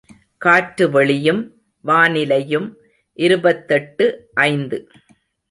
காற்று வெளியும் வானிலையும் இருபத்தெட்டு ஐந்து.